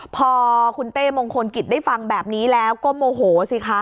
พอคุณเต้มงคลกิจได้ฟังแบบนี้แล้วก็โมโหสิคะ